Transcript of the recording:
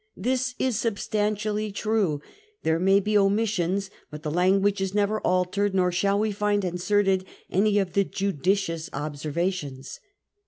This is substantially true; there may be omissions, but the language is never altered, nor shall we find inserted any of the " judicious " observations.